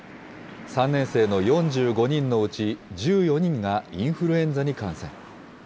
３年生の４５人のうち１４人がインフルエンザに感染。